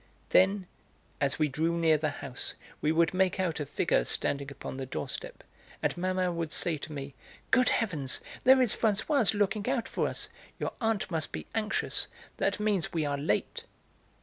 Then, as we drew near the house, we would make out a figure standing upon the doorstep, and Mamma would say to me: "Good heavens! There is Françoise looking out for us; your aunt must be anxious; that means we are late."